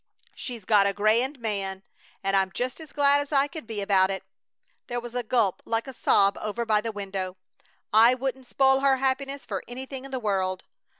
She's got a grand man, and I'm just as glad as I can be about it" there was a gulp like a sob over by the window. "I wouldn't spoil her happiness for anything in the world!"